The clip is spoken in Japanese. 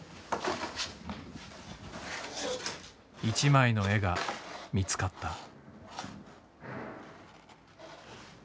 一枚の絵が見つかった。